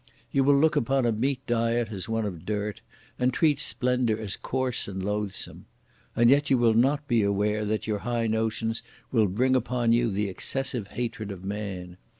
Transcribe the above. You will look upon a meat diet as one of dirt, and treat splendour as coarse and loathsome! And yet you will not be aware that your high notions will bring upon you the excessive hatred of man!